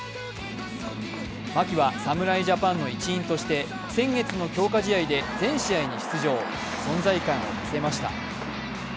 牧は侍ジャパンの一員として先月の強化試合で全試合に出場、存在感を見せました。